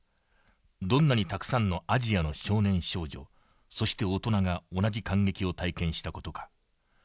どんなにたくさんのアジアの少年少女そして大人が同じ感激を体験した事か。